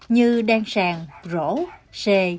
như đen sàn rổ sề